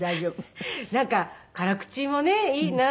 なんか辛口もねいいな。